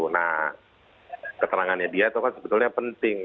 nah keterangannya dia itu kan sebetulnya penting